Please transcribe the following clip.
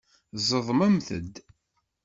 Tezdmemt-d.